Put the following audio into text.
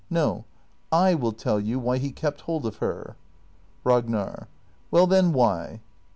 No, / will tell you why he kept hold of her. Ragnar. Well then, why